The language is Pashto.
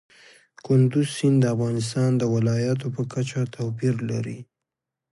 کندز سیند د افغانستان د ولایاتو په کچه توپیر لري.